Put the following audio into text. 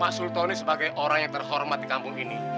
pak sultoni sebagai orang yang terhormat di kampung ini